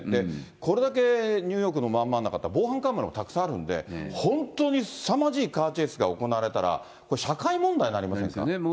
これだけニューヨークのまん真ん中って防犯カメラもたくさんあるんで、本当にすさまじいカーチェイスが行われたら、これ、社会問題になですよね。